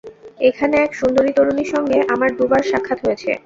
এখানে এক সুন্দরী তরুণীর সঙ্গে আমার দু-বার সাক্ষাৎ হয়েছে।